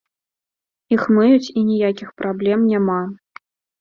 Іх мыюць і ніякіх праблем няма.